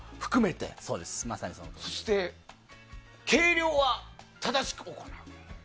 そして計量は正しく行う。